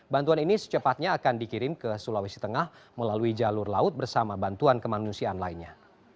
bantuan ini secepatnya akan dikirim ke sulawesi tengah melalui jalur laut bersama bantuan kemanusiaan lainnya